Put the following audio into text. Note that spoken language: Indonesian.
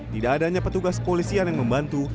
tidak adanya petugas kepolisian yang membantu